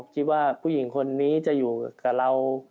คิดว่าการอยู่ด้วยมัน